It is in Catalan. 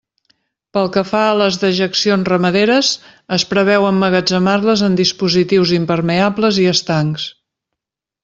Pel que fa a les dejeccions ramaderes, es preveu emmagatzemar-les en dispositius impermeables i estancs.